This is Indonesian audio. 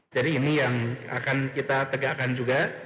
jadi ini yang akan kita tegakkan juga